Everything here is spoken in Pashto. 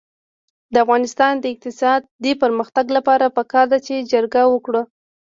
د افغانستان د اقتصادي پرمختګ لپاره پکار ده چې جرګه وکړو.